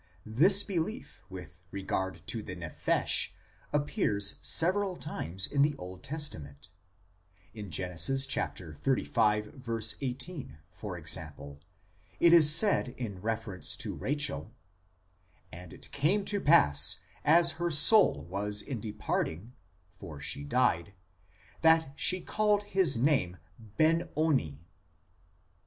This belief with regard to the nephesh appears several times in the Old Testament ; in Gen. xxxv. 18, for example, it is said, in reference to Rachel :" And it came to pass, as her soul was in departing (for she died), that she called his name Ben oni.